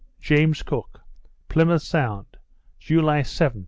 JAMES COOK. _Plymouth Sound, July 7, 1776.